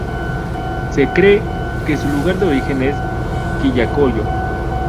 Se cree que su lugar de origen es Quillacollo.